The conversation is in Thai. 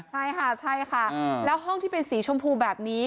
ใช่ค่ะใช่ค่ะแล้วห้องที่เป็นสีชมพูแบบนี้